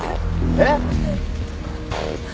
えっ！？